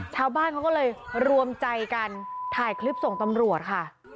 ชาวบ้านเขาก็เลยรวมใจกันถ่ายคลิปส่งตำรวจค่ะ